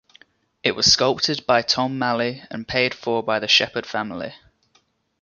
It was sculpted by Tom Maley, and paid for by the Shepherd family.